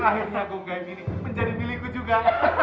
akhirnya bom gai ini menjadi milikku juga